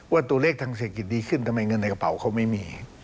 ว่าตัวเลขทางเศรษฐกิจดีขึ้นทำไมเงินในกระเป๋าเขาไม่มี